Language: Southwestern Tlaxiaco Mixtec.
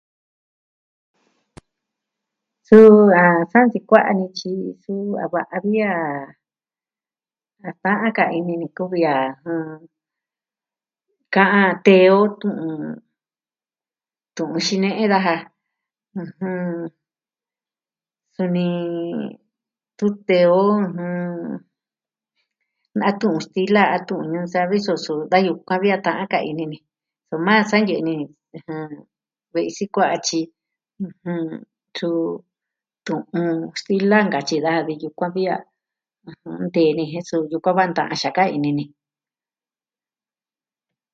Su a sa nsikua'a ni tyi su a va'a vi a ta'an ka'an ini ni kuvi a ɨjɨn... ka'an tee o tu'un... tu'un xine'e daja ɨjɨn... suni tu tee o ɨjɨn... na tu'un stila a tu'un ñuu savi so su'va yukuan vi a ta'an ka'an ini ni. Soma sa nyɨɨ ni ɨjɨn... ve'i sikua'a tyi ɨjɨ,... tu... tu'un ñuu stila nkatyi daja vi yukuan vi a tee ni jen sɨɨ yukuan va nta'an xa ka'an ini ni.